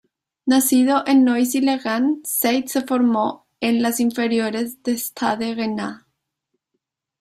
Nacido en Noisy-le-Grand, Saïd se formó en las inferiores de Stade Rennais.